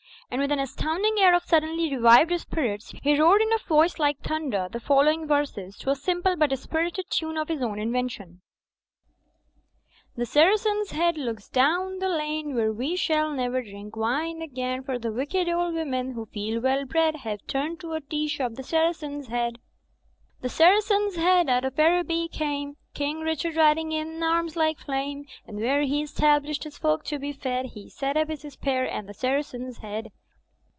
And with an astounding air of suddenly revived spir its, he roared in a voice like thimder the following verses, to a simple but spirited tune of his own inven tion: *'The Saracen's Head looks down the lane, Where we shall never drink wine again;. For the wicked old Women who feel well bred Have turned to a tea shop the Saracen's Head. "The Saracen's Head out of Araby came. King Richard riding in arms like flame. And where he established his folk to be fed He set up his spear — ^and the Saracen's Head.